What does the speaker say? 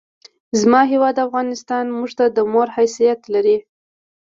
زما هېواد افغانستان مونږ ته د مور حیثیت لري!